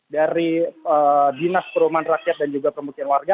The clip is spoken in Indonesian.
dari dinas perumahan rakyat dan juga pemukiman warga